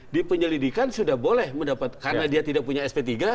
di penyelidikan sudah boleh mendapat karena dia tidak punya sp tiga